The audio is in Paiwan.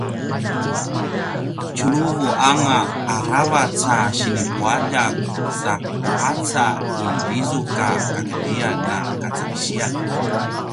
tjuruvu anga aravac a sinipualjak sa meqaca i lizuk a kakedriyan na kacalisiyan